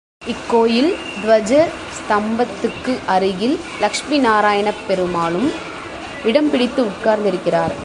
இக்கோயில் துவஜ ஸ்தம்பத்துக்கு அருகில் லக்ஷ்மி நாராயணப் பெருமானும் இடம் பிடித்து உட்கார்ந்திருக்கிறார்.